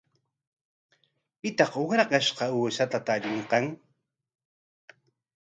¿Pitaq ukrakashqa uushata tarirqan?